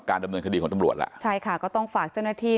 ดำเนินคดีของตำรวจล่ะใช่ค่ะก็ต้องฝากเจ้าหน้าที่